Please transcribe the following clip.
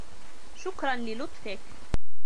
شكرا للطفكِ.